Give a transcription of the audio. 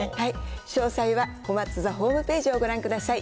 詳細はこまつ座ホームページをご覧ください。